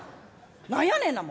何やねんな